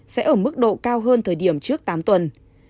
sẽ ở mức độ cao hơn thời điểm trước tám tuần